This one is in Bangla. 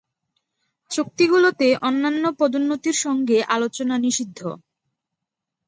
চুক্তিগুলোতে অন্যান্য পদোন্নতির সঙ্গে আলোচনা নিষিদ্ধ।